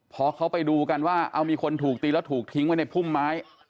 พอเขาไปดูกันว่าเอามีคนถูกตีแล้วถูกทิ้งไว้ในพุ่มไม้